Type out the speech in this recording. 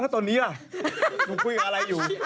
ตอนนี้ล่ะ